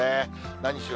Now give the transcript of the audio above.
何しろ